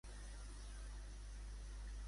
L'envoltava cap fortí aquesta zona?